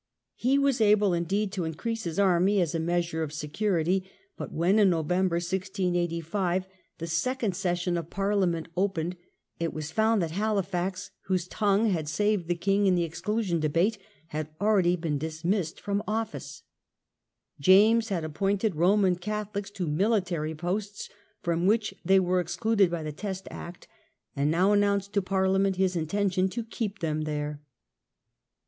He was able indeed to increase his army as a measure of security. But when in November, 1685, the second session of Parliament opened, it was found ^^^^^^ ses that Halifax, whose tongue had saved the sion of Pariia king in the Exclusion debate, had already '"*° been dismissed from office. James had appointed Roman Catholics to military posts from which they were excluded by the Test Act, and now announced to Parliament his intention to keep them there.